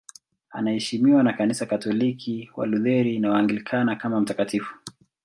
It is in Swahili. Anaheshimiwa na Kanisa Katoliki, Walutheri na Waanglikana kama mtakatifu.